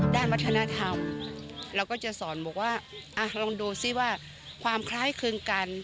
ด้านวัฒนธรรมเราก็จะสอนบอกว่าลองดูซิว่าความคล้ายคลึงกัน